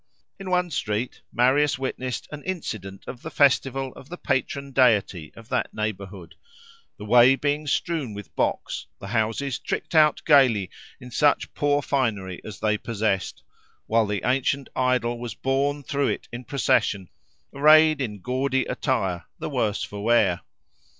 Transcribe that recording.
In one street, Marius witnessed an incident of the festival of the patron deity of that neighbourhood, the way being strewn with box, the houses tricked out gaily in such poor finery as they possessed, while the ancient idol was borne through it in procession, arrayed in gaudy attire the worse for wear.